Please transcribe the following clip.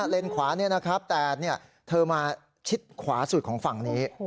เลนขวานี่นะครับแต่เธอมาชิดขวาสุดของฝั่งนี้